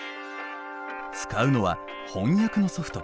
使うのは翻訳のソフト。